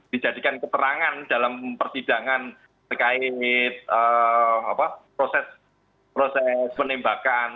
dijadikan keterangan dalam persidangan terkait proses penembakan